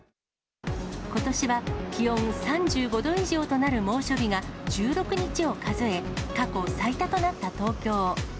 ことしは気温３５度以上となる猛暑日が１６日を数え、過去最多となった東京。